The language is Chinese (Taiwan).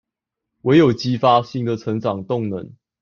唯有激發新的成長動能